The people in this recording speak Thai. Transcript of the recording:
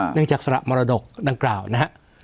เนื่องจากสละมรดกดังกล่าวนะครับ